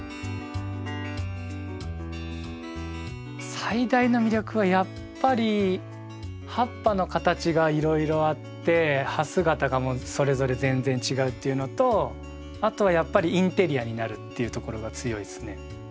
最大の魅力はやっぱり葉っぱの形がいろいろあって葉姿がもうそれぞれ全然違うっていうのとあとはやっぱりインテリアになるっていうところが強いですね。